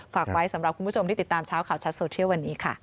ฝากไว้สำหรับคุณผู้ชมที่ติดตามเช้าข่าวชัดโซเทียลวันนี้ค่ะ